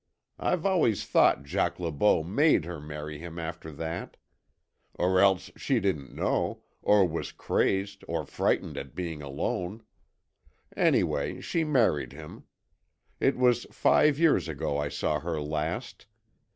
I've always thought Jacques Le Beau MADE her marry him after that. Or else she didn't know, or was crazed, or frightened at being alone. Anyway, she married him. It was five years ago I saw her last.